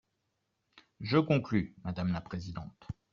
Je conclus, madame la présidente.